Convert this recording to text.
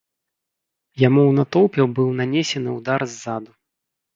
Яму у натоўпе быў нанесены ўдар ззаду.